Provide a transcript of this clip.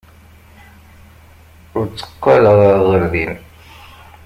Ur tteqqaleɣ ɣer din.